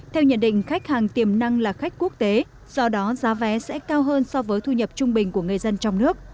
theo nhận định khách hàng tiềm năng là khách quốc tế do đó giá vé sẽ cao hơn so với thu nhập trung bình của người dân trong nước